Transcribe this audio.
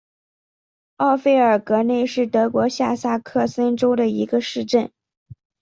奥费尔格内是德国下萨克森州的一个市镇。